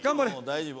大丈夫？